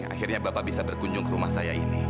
akhirnya bapak bisa berkunjung ke rumah saya ini